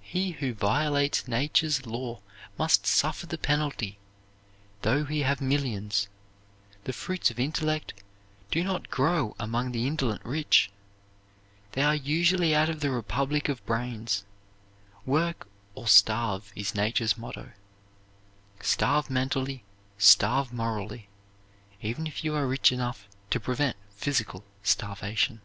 He who violates Nature's law must suffer the penalty, though he have millions. The fruits of intellect do not grow among the indolent rich. They are usually out of the republic of brains. Work or starve is Nature's motto; starve mentally, starve morally, even if you are rich enough to prevent physical starvation.